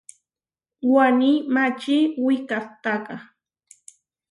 Waní mačí wikahtáka.